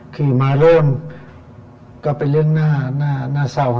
คือมาเริ่มก็เป็นเรื่องน่าเศร้า